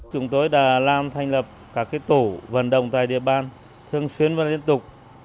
chúng tôi đã làm thành lập các tổ vận động tại địa bàn thường xuyên và liên tục